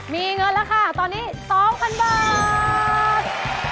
มีเงินแล้วค่ะตอนนี้๒๐๐๐บาท